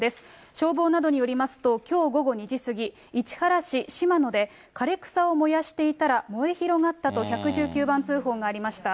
消防などによりますと、きょう午後２時過ぎ、市原市しまので枯れ草を燃やしていたら、燃え広がったと、１１９番通報がありました。